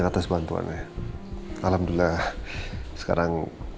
pada saat kecelakaan